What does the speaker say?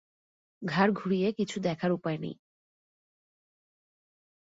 ঘাড় ঘুরিয়ে কিছু দেখার উপায় নেই।